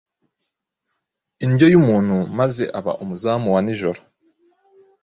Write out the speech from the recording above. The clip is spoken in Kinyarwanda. indyo yumuntu maze aba umuzamu wa nijoro